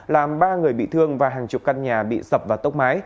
làm ba người bị thương và hàng chục căn nhà bị sập và tốc mái